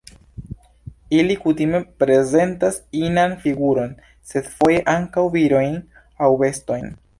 Ili kutime prezentas inan figuron, sed foje ankaŭ virojn aŭ bestojn.